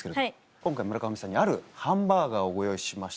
今回村上さんにあるハンバーガーをご用意しました。